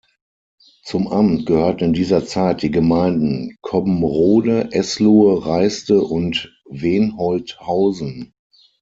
Zum Amt gehörten in dieser Zeit die Gemeinden Cobbenrode, Eslohe, Reiste und Wenholthausen.